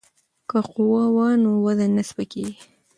که قوه وي نو وزن نه سپکیږي.